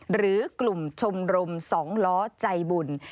หรือกลุ่มชมรม๒ล้อใจบุญ